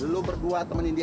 lu berdua temenin dia